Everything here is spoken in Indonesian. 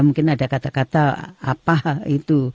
mungkin ada kata kata apa itu